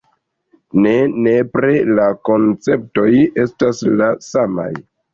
Ne nepre la konceptoj estas la samaj.